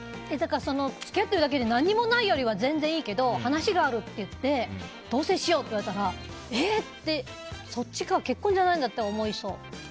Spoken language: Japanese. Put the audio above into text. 付き合ってるだけで何もないよりは全然いいけど話があるって言って同棲って言われたらそっちか、結婚じゃないんだって思いそう。